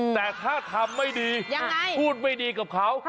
แต่ถ้าทำไม่ดีพูดไม่ดีกับเขา